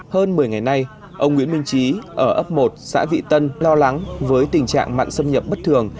hơn một mươi ngày nay ông nguyễn minh trí ở ấp một xã vị tân lo lắng với tình trạng mặn xâm nhập bất thường